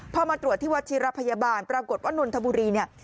พอมาตรวจที่วัดชิรพยาบาลปรากฏว่านนทบุรีเนี่ย